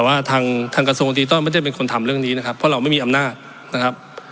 แต่ว่าทางทางกระทรวงดิจิทัลไม่ได้เป็นคนทำเรื่องนี้นะครับเพราะเราไม่มีอำนาจนะครับ